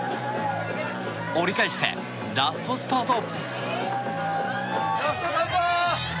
折り返して、ラストスパート。